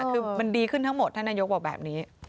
คือมันดีขึ้นทั้งหมดท่านนายกบอกแบบนี้